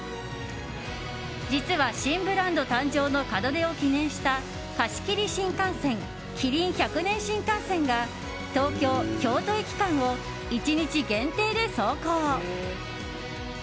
実は、新ブランド誕生の門出を記念した貸し切り新幹線麒麟百年新幹線が東京京都駅間を１日限定で走行。